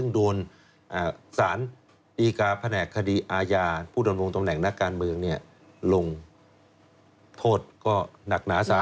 โทษก็หนักหนาสาหรับหลายปีเลยค่ะ